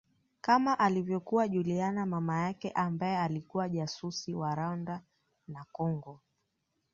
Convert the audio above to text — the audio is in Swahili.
Kama alivyokuwa Juliana mama yake ambaye alikuwa jasusi wa Rwanda na congo